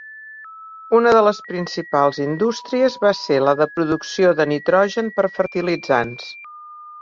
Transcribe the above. Una de les principals indústries va ser la de producció de nitrogen per fertilitzants.